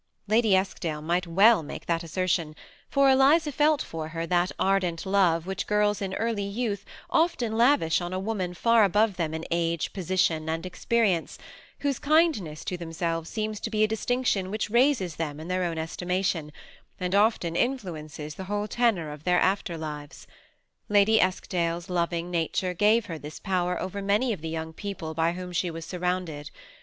Lady Eskdale might well make that assertion, for Eliza felt for her that ardent love which girls in early 352" THE SEBn ATTACHED COUPLE. youth oflen lavish on a woman far above them, in age, position, and experience, whose kindness to themselves seems to be a distinction which raises them in their own estimation, and often influences the whole tenor of their after lives. Lady Eskdale's loving nature gave her this power over many of the young people by whom she was surrounded.